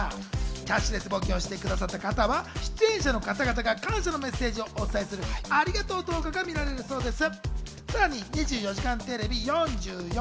キャッシュレス募金をしてくださった方は出演者の方々が感謝のメッセージをお伝えする、ありがとう動画が見られるそうです。